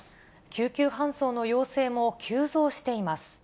救急搬送の要請も急増しています。